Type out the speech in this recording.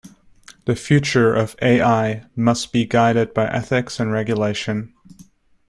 The future of A-I must be guided by Ethics and Regulation.